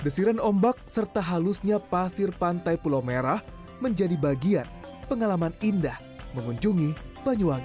desiran ombak serta halusnya pasir pantai pulau merah menjadi bagian pengalaman indah mengunjungi banyuwangi